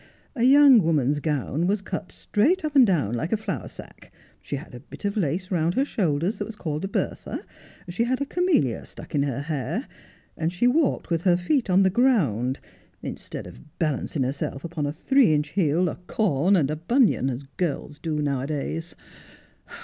A young woman's gown was cut straight up and down like a flour sack, she had a bit of lace round her shoulders that was called a bertha, she had a camellia stuck in her hair, and she walked with her feet on the ground, instead of balancin' herself upon a three inch heel, a corn, and a After Twenty Years, 17 bunion as girls do now a days.